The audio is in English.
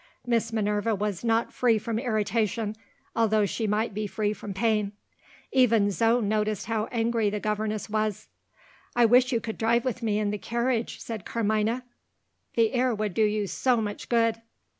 Miss Minerva was not free from irritation, although she might be free from pain. Even Zo noticed how angry the governess was. "I wish you could drive with me in the carriage," said Carmina. "The air would do you so much good."